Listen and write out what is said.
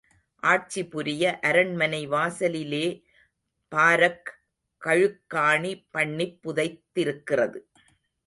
ஆட்சி புரிய அரண்மனை வாசலிலே பாரக் கழுக்காணி பண்ணிப் புதைத்திருக்கிறது.